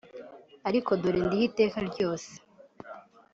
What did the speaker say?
ariko dore ndiho iteka ryose